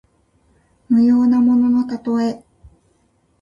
無用なもののたとえ。